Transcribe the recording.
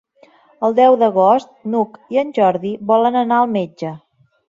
El deu d'agost n'Hug i en Jordi volen anar al metge.